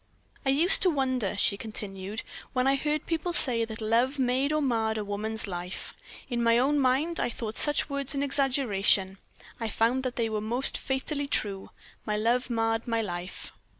"I used to wonder," she continued, "when I heard people say that love made or marred a woman's life. In my own mind I thought such words an exaggeration. I found that they were most fatally true my love marred my life.